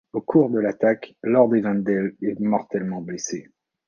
Au cours de l'attaque, lord Evandale est mortellement blessé.